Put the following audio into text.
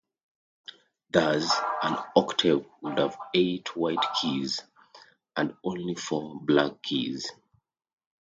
Thus, an octave would have "eight" "white keys" and only four "black keys.